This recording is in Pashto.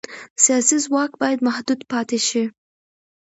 سیاسي ځواک باید محدود پاتې شي